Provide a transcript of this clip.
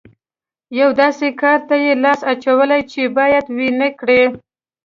یوه داسې کار ته یې لاس اچولی چې بايد ويې نه کړي.